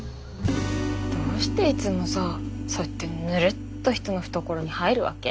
どうしていつもさそうやってぬるっと人の懐に入るわけ？